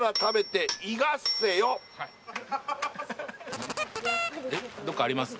じゃあどっかあります？